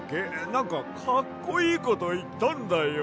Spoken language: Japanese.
なんかかっこいいこといったんだよ。